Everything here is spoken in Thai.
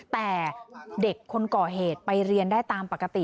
แต่เด็กคนก่อเหตุไปเรียนได้ตามปกติ